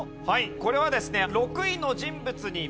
これはですね。